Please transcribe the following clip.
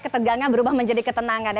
ketegangan berubah menjadi ketenangan